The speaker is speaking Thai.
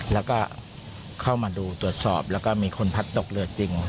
แล้วก็เข้ามาดูตรวจสอบแล้วก็มีคนพัดตกเรือจริง